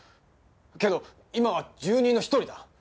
けど今は住人の一人だ。